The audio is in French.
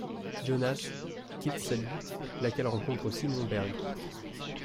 Jonas quitte Sally, laquelle rencontre Simon Berg...